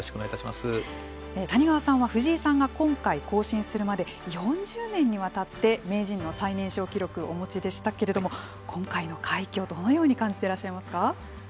谷川さんは藤井さんが今回更新するまで４０年にわたって名人の最年少記録お持ちでしたけれども今回の快挙どのように感じていらっしゃいますか。